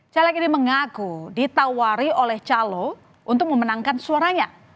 caleg ini mengaku ditawari oleh calo untuk memenangkan suaranya